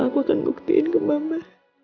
aku akan buktiin ke mama